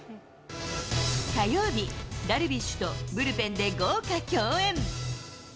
火曜日、ダルビッシュとブルペンで豪華共演。